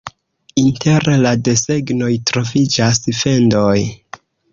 Inter la desegnoj troviĝas fendoj.